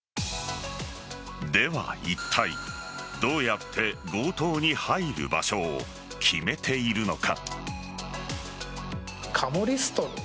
ではいったいどうやって強盗に入る場所を決めているのか。